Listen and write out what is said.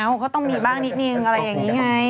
เขาก็ต้องมีบ้างนิดนึงอะไรอย่างนี้ไง